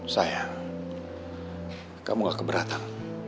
sayang kamu gak keberatan